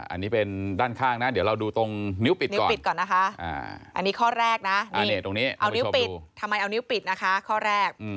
อันนี้เป็นด้านข้างนะเดี๋ยวเราดูตรงนิ้วปิดนิ้วปิดก่อนนะคะอันนี้ข้อแรกนะเอานิ้วปิดทำไมเอานิ้วปิดนะคะข้อแรก